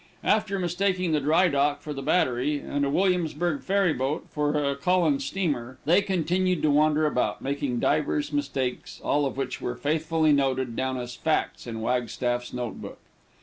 After mistaking the Dry Dock for the Battery, and a Williamsburg ferry boat for a Collins steamer, they continued to wander about, making divers mistakes, all of which were faithfully noted down as facts in Wagstaff's notebook.